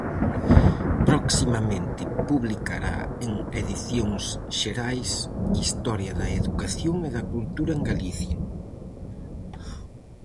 Proximamente publicará en Edicións Xerais Historia da educación e da cultura en Galicia.